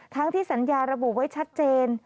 ทั้งที่สัญญาระบุไว้ชัดเจน